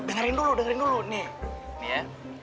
dengarin dulu dengerin dulu nih nih ya